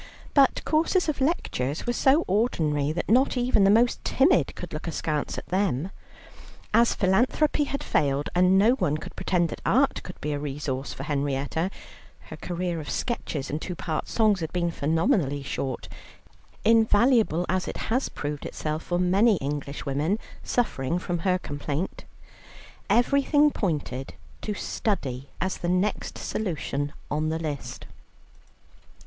But courses of lectures were so ordinary that not even the most timid could look askance at them. As philanthropy had failed, and no one could pretend that art could be a resource for Henrietta, her career of sketches and two part songs had been phenomenally short (invaluable as it has proved itself for many Englishwomen suffering from her complaint) everything pointed to study as the next solution on the list.